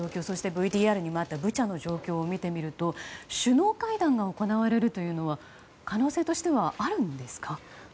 そして、ＶＴＲにもあったブチャの状況を見てみると首脳会談が行われるというのは可能性としてはあるんですか？